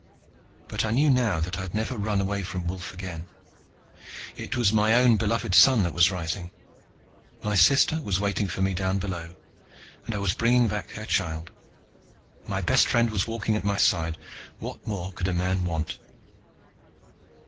But I knew now that I'd never run away from Wolf again. It was my own beloved sun that was rising. My sister was waiting for me down below, and I was bringing back her child. My best friend was walking at my side. What more could a man want?